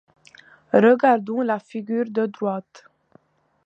Regardons la figure de droite.